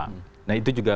nah itu yang kita lakukan